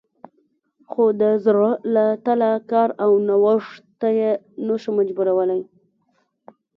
خو د زړه له تله کار او نوښت ته یې نه شو مجبورولی